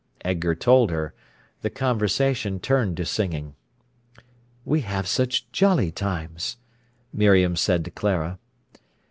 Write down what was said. Edgar told her. The conversation turned to singing. "We have such jolly times," Miriam said to Clara. Mrs.